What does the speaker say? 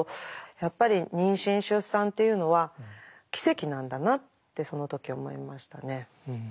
やっぱり妊娠出産っていうのは奇跡なんだなってその時思いましたね。